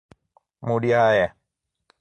Muriaé